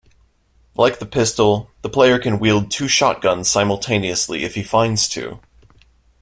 Like the pistol, the player can wield two shotguns simultaneously if he finds two.